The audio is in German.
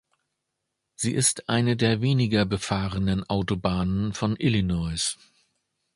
Sie ist eine der weniger befahrenen Autobahnen von Illinois.